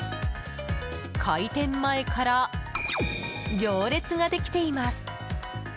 開店前から、行列ができています。